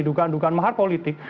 dugaan dugaan mahar politik